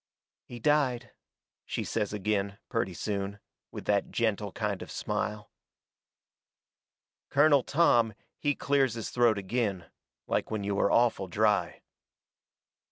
"He died," she says agin, purty soon, with that gentle kind of smile. Colonel Tom, he clears his throat agin. Like when you are awful dry.